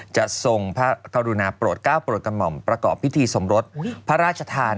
ทรงพระกรุณาโปรดก้าวโปรดกระหม่อมประกอบพิธีสมรสพระราชทาน